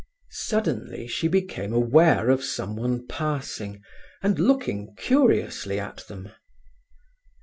Suddenly she became aware of someone passing and looking curiously at them.